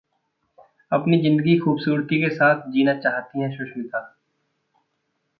अपनी जिंदगी खूबसूरती के साथ जीना चाहती हैं सुष्मिता